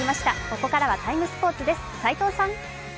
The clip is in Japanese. ここからは「ＴＩＭＥ，スポーツ」です、齋藤さん。